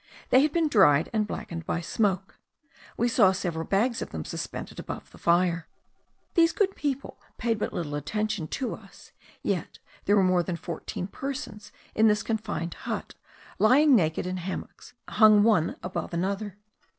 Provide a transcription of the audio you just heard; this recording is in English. They had been dried, and blackened by smoke. We saw several bags of them suspended above the fire. These good people paid but little attention to us; yet there were more than fourteen persons in this confined hut, lying naked in hammocks hung one above another.